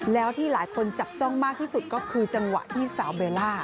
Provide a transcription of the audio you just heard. แล้วที่หลายคนจับจ้องมากที่สุดก็คือจังหวะที่สาวเบลล่า